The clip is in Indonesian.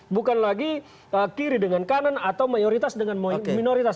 bukan lagi kiri dengan kanan atau mayoritas dengan minoritas